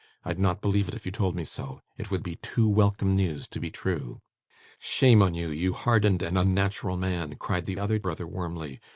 I'd not believe it, if you told me so. It would be too welcome news to be true.' 'Shame on you, you hardened and unnatural man,' cried the other brother, warmly.